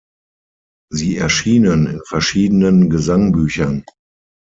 Sie erschienen in verschiedenen Gesangbüchern.